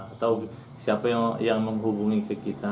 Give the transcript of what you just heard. atau siapa yang menghubungi ke kita